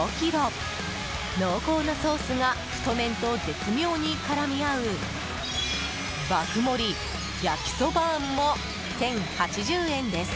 濃厚なソースが太麺と絶妙に絡み合う爆盛焼きそバーンも１０８０円です。